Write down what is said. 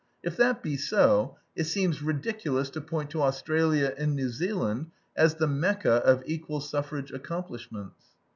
If that be so, it seems ridiculous to point to Australia and New Zealand as the Mecca of equal suffrage accomplishments.